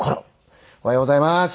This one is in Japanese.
おはようございます。